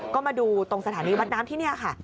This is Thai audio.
ก็มาดูตรงสถานีวัดน้ำที่นี่ค่ะ